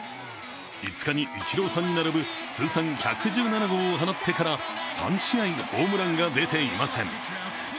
５日にイチローさんに並ぶ通算１１７号を放ってから３試合、ホームランが出ていません。